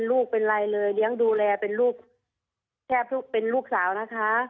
ลูกเป็นไรเลยเลี้ยงดูแลเป็นลูกแทบทุกเป็นลูกสาวนะคะ